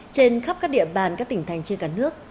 trên khắp các địa bàn các tỉnh thành trên cả nước